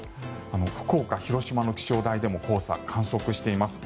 福岡、広島の気象台でも黄砂を観測しています。